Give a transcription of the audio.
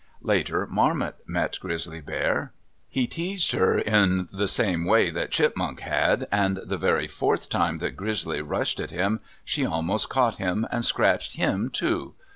Later, Marmot met Grizzly Bear. He teased her in the same way that Chipmunk had, and the very fourth time that Grizzly rushed at him, she almost caught him, and scratched him, too.